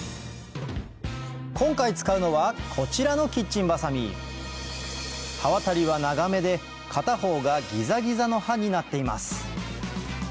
今回使うのはこちらのキッチンバサミ刃渡りは長めで片方がギザギザの刃になっています